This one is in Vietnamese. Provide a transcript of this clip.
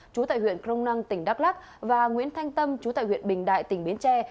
trú tại huyện crong năng tỉnh đắk lắc và nguyễn thanh tâm trú tại huyện bình đại tỉnh biến tre